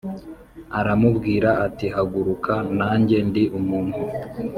Aramubwira ati haguruka nanjye ndi umuntu